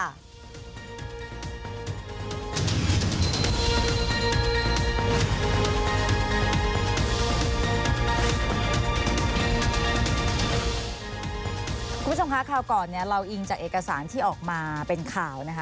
คุณผู้ชมคะคราวก่อนเนี่ยเราอิงจากเอกสารที่ออกมาเป็นข่าวนะคะ